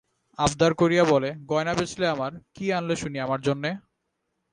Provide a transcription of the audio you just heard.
আবদার করিয়া বলে, গয়না বেচলে আমার, কী আনলে শুনি আমার জন্যে?